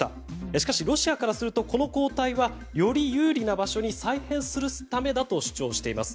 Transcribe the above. しかしロシアからするとこの後退はより有利な場所に再編するためだと主張しています。